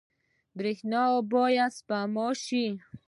برښنا باید سپما شي